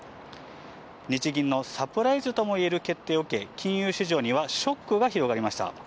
日銀のサプライズともいえる決定を受け、金融市場にはショックが広がりました。